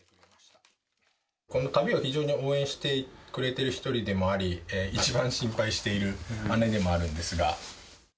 この旅を非常に応援してくれてる一人でもあり、一番心配している姉でもあるんですが。